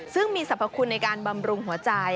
ซึ่งมีสรรพคุณในการบำรุงหัวใจ